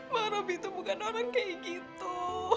bang robi itu bukan orang kayak gitu